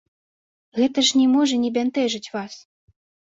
Гэта ж не можа не бянтэжыць вас?